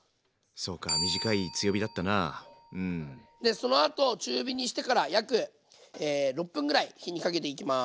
そうかでそのあと中火にしてから約６分ぐらい火にかけていきます。